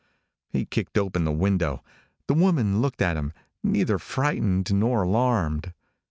He kicked open the window. The woman looked at him, neither frightened nor alarmed.